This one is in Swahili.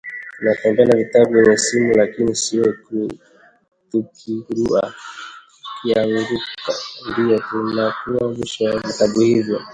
Tunatembea na vitabu kwenye simu lakini siku tukianguka, ndio unakuwa mwisho wa vitabu hivyo